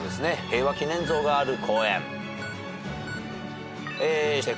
平和祈念像がある公園。